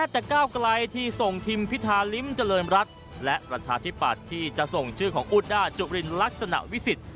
แต่ก้าวไกลที่ส่งทีมพิธาลิ้มเจริญรัฐและประชาธิปัตย์ที่จะส่งชื่อของอูดด้าจุรินลักษณะวิสิทธิ